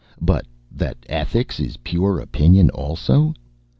But that ethics is pure opinion also...?